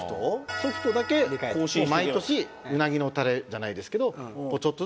ソフトだけ毎年うなぎのタレじゃないですけどちょっとずつ更新。